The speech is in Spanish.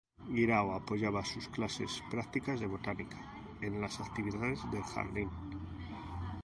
Guirao apoyaba sus clases prácticas de botánica en las actividades del jardín.